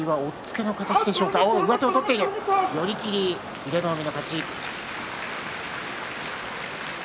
英乃海の勝ち。